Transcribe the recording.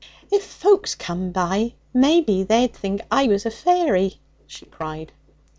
'If folks came by, maybe they'd think I was a fairy!' she cried.